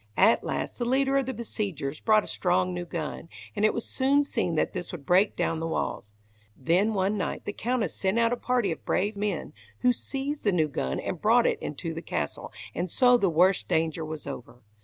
At last the leader of the besiegers brought a strong new gun, and it was soon seen that this would break down the walls. Then one night the Countess sent out a party of brave men, who seized the new gun and brought it into the castle, and so the worst danger was over.